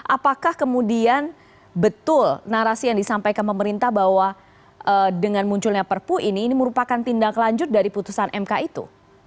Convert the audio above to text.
apakah kemudian betul narasi yang disampaikan pemerintah bahwa dengan munculnya perpu ini ini merupakan tindak lanjut dari putusan mk itu